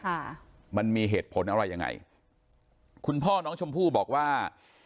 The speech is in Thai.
ค่ะมันมีเหตุผลอะไรยังไงคุณพ่อน้องชมพู่บอกว่า